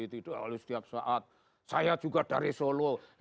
tidak harus tiap saat